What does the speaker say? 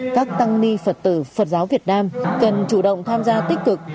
các tăng ni phật tử phật giáo việt nam cần chủ động tham gia tích cực